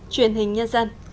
truyền hình nhân dân